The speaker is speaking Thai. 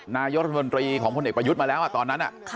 นายกรัฐมนตรีของพลเอกประยุทธ์มาแล้วตอนนั้น